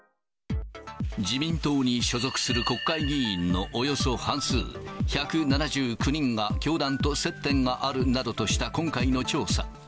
自民党に所属する国会議員のおよそ半数、１７９人が教団と接点があるなどとした今回の調査。